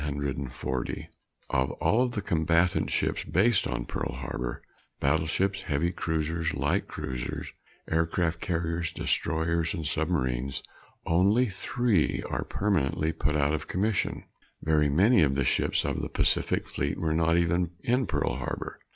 Of all of the combatant ships based on Pearl Harbor battleships, heavy cruisers, light cruisers, aircraft carriers, destroyers and submarines only three are permanently put out of commission. Very many of the ships of the Pacific Fleet were not even in Pearl Harbor.